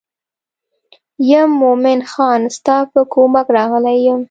یم مومن خان ستا په کومک راغلی یم.